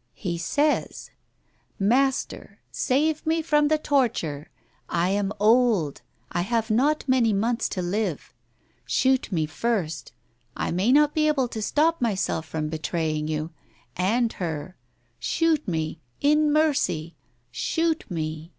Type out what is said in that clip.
" He says, ' Master, save me from the torture. I am old, I have not many months to live. Shoot me first. I may not be able to stop myself from betraying you— and her. Shoot me, in mercy ! Shoot me